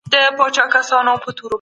چي د خالونو ســره شــپې تېـروم